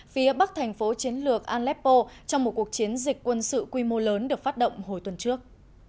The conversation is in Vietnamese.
phía bắc thành phố chiến lược alexpo trong một cuộc chiến dịch quân sự quy mô lớn được phát động hồi tuần trước